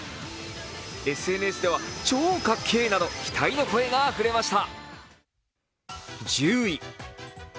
ＳＮＳでは、期待の声があふれました。